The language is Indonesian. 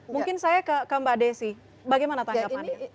mungkin saya ke mbak desi bagaimana tanggapan anda